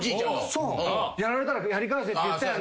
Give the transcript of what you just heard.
やられたらやり返せって言ったよね？